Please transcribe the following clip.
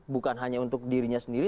bukan hanya untuk dirinya sendiri